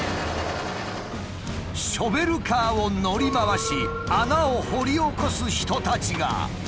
ショベルカーを乗り回し穴を掘り起こす人たちが。